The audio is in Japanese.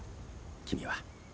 君は。